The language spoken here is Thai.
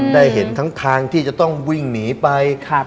ได้เห็นทั้งทางที่จะต้องวิ่งหนีไป